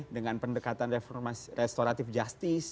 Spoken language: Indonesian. dengan pendekatan restoratif justice